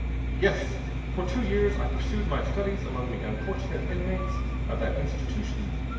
"Yes. For two years I pursued my studies among the unfortunate inmates of that institution.